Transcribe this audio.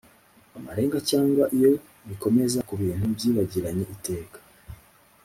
amarenga cyangwa iyo bikomoza ku bintu byibagiranye Iteka